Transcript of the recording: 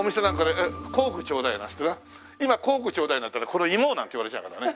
今コークちょうだいなんて言ったらこのイモ！なんて言われちゃうからね。